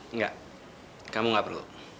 nggak kamu nggak perlu